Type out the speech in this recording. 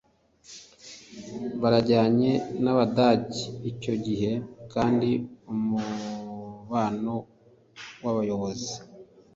barajyanye n abadage icyo gihe kandi umubano w abayobozi